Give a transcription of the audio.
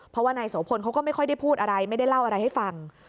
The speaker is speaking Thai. เพราะว่านายโสพลเขาก็ไม่ค่อยได้พูดอะไรไม่ได้เล่าอะไรให้ฟัง